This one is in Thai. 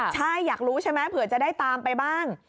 ใช่อยากรู้ใช่ไหมเผื่อจะได้ตามไปบ้าง